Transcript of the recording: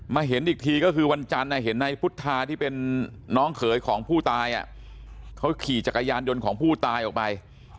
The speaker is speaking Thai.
เห็นอีกทีก็คือวันจันทร์เห็นในพุทธาที่เป็นน้องเขยของผู้ตายเขาขี่จักรยานยนต์ของผู้ตายออกไป